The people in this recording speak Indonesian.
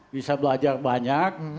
bisa belajar banyak